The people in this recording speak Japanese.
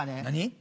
何？